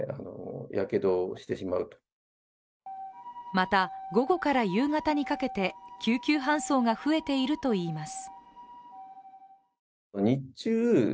また午後から夕方にかけて救急搬送が増えているといいます。